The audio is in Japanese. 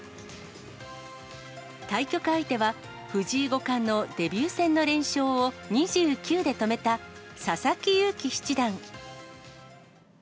対局相手は、藤井五冠のデビュー戦の連勝を２９で止めた佐々木勇気七段。